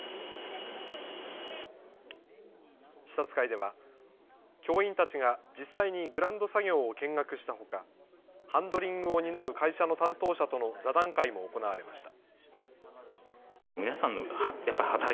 視察会では教員たちが実際にグランド作業を見学したほかハンドリングを担う会社の担当者との座談会も行われました。